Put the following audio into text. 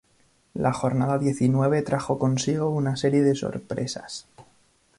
La "Jornada Diecinueve" trajo consigo una serie de sorpresas.